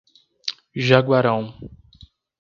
Jaguarão